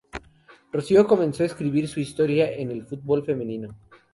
Rocío comenzó a escribir su historia en el fútbol femenino.